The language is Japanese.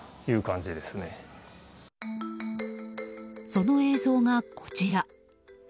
その映像が、こちら。